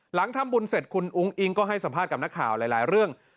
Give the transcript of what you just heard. หลังทำบุญเสร็จคุณอุ้งอิงก็ให้สัมภาษณ์กับนักข่าวหลายเรื่อง